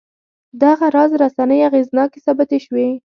دغه راز رسنۍ اغېزناکې ثابتې شوې.